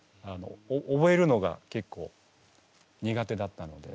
覚えるのがけっこう苦手だったので。